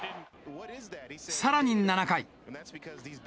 さらに７回。